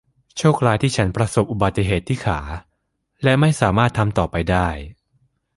โชคร้ายที่ฉันประสบอุบัติเหตุที่ขาและไม่สามารถทำต่อไปได้